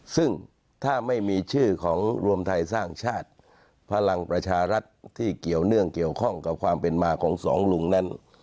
ซึ่งถ้าไม่มีชื่อของรวมไทยสร้างชาติพลังประชารัฐที่เกี่ยวเนื่องเกี่ยวข้องกับความเป็นมาของสองลุงนั้น